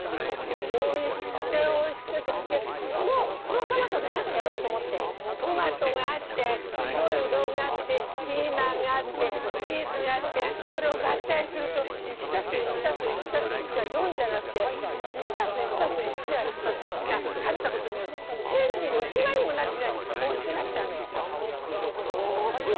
おいしくておいしくてこのトマトで何かやろうと思ってトマトがあって白いうどんがあってピーマンがあってチーズがあってそれを合体すると１＋１＋１＋１が４じゃなくて１＋１＋１＋１が食べたことによって１，０００にも１万にもなったぐらいのおいしくなっちゃうのよ。